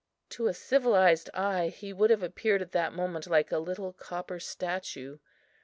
To a civilized eye, he would have appeared at that moment like a little copper statue.